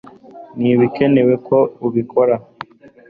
Ntibikenewe ko ubikora